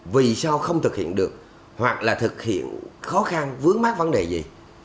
vì sao không thực hiện được hoặc là thực hiện khó khăn vướng mát vấn đề gì